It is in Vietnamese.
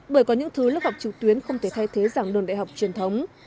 bởi có những thứ lớp học trực tuyến không thể thay thế giảng đường đại học truyền thống